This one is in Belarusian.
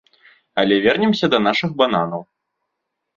Але вернемся да нашых бананаў.